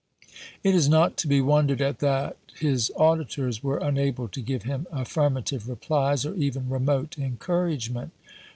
It is not to be wondered at that his auditors were unable to give him affirmative replies, or even remote encouragement.